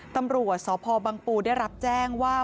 ตำรวจสพบังปูได้รับแจ้งว่า